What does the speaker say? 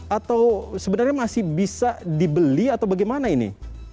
atau sebenarnya masih bisa dibeli atau bagaimana ini